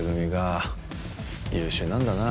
優秀なんだな。